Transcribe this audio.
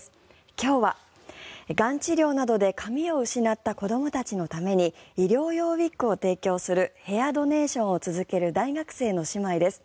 今日は、がん治療などで髪を失った子どもたちのために医療用ウィッグを提供するヘアドネーションを続ける大学生の姉妹です。